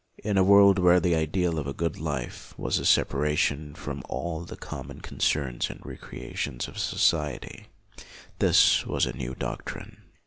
In a world where the ideal of a good life was a separation from all the common concerns and recreations of so ciety, this was a new doctrine.